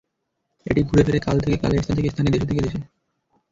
এটি ঘুরে ফেরে কাল থেকে কালে, স্থান থেকে স্থানে, দেশ থেকে দেশে।